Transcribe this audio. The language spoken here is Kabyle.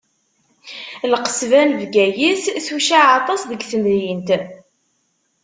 Lqesba n Bgayet tucaɛ aṭas deg temdint.